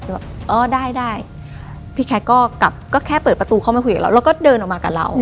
แบบเออได้ได้พี่แคทก็กลับก็แค่เปิดประตูเข้ามาคุยกับเราแล้วก็เดินออกมากับเรา